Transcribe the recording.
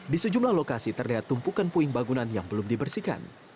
di sejumlah lokasi terlihat tumpukan puing bangunan yang belum dibersihkan